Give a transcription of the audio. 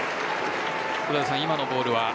今のボールは。